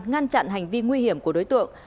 ngăn chặn hành vi nguy hiểm của đối tượng